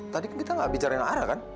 tadi kita gak bicara dengan ara kan